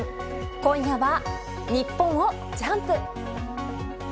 今夜は日本をジャンプ。